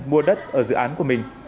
mua đất ở dự án của mình